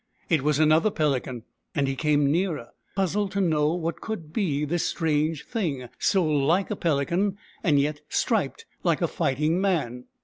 It was another pelican, and he came nearer, puzzled to know what could be this strange thing, so like a pelican and yet striped like a fighting man.